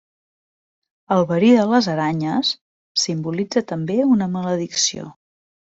El verí de les aranyes simbolitza també una maledicció.